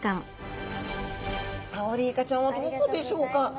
アオリイカちゃんはどこでしょうか？